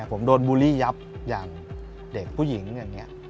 ผมโดนบูลลี่ยับอย่างเด็กผู้หญิงอย่างนี้